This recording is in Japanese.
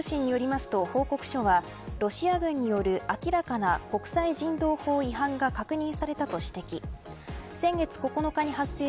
ロイター通信によりますと報告書はロシア軍による明らかな国際人道法違反が確認されたと指摘。